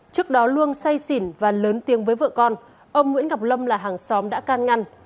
trước đó luôn say xỉn và lớn tiếng với vợ con ông nguyễn ngọc lâm là hàng xóm đã can ngăn